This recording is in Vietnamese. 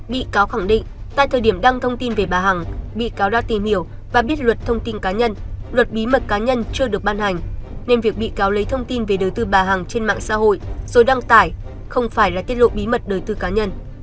bị cáo khẳng định tại thời điểm đăng thông tin về bà hằng bị cáo đã tìm hiểu và biết luật thông tin cá nhân luật bí mật cá nhân chưa được ban hành nên việc bị cáo lấy thông tin về đời tư bà hằng trên mạng xã hội rồi đăng tải không phải là tiết lộ bí mật đời tư cá nhân